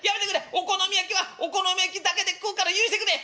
お好み焼きはお好み焼きだけで食うから許してくれ！」。